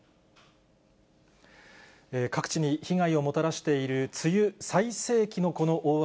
各地に被害をもたらしている梅雨最盛期のこの大雨。